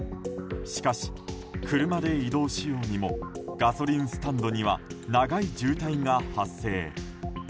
しかし、車で移動しようにもガソリンスタンドには長い渋滞が発生。